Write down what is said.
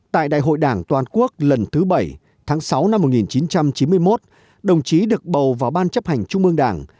tại đại hội đảng toàn quốc lần thứ bảy tháng sáu năm một nghìn chín trăm chín mươi một đồng chí được bầu vào ban chấp hành trung ương đảng